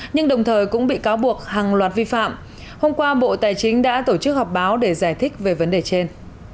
nhưng đồng thời cũng bị cáo buộc hàng loạt vi phạm hôm qua bộ tài chính đã tổ chức họp báo để giải thích về vấn đề trên